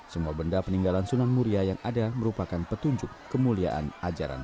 semua benda peninggalan sunan muria yang ada merupakan petunjuk kemuliaan ajaran